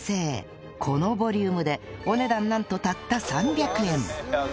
このボリュームでお値段なんとたった３００円